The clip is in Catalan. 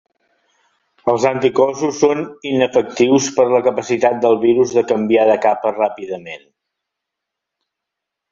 Els anticossos són inefectius per la capacitat del virus de canviar de capa ràpidament.